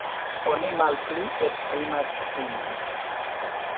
Oni malpli esprimas sin.